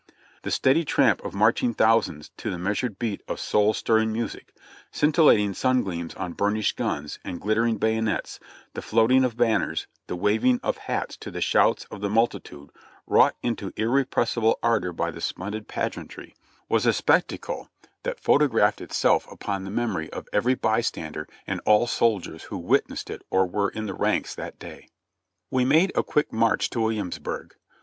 The steady tramp of marching thousands to the measured beat of soul stirring music, scintillating sun gleams on burnished guns and glittering bayonets, the floating of banners, the waving of hats to the shouts of the multitude wrought into irrepressible ardor by the splendid pageantry, was a spectacle that photo I04 JOHNNY REB AND BILLY YANK graphed itself upon the memory of every bystander and all soldiers who witnessed it or were in the ranks that day. We made a quick march to Williamsburg.